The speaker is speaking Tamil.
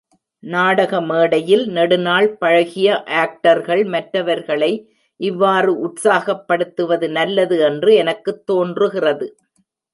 நாடக மேடையில் நெடுநாள் பழகிய ஆக்டர்கள், மற்றவர்களை இவ்வாறு உற்சாகப்படுத்துவது நல்லது என்று எனக்குத் தோன்றுகிறது.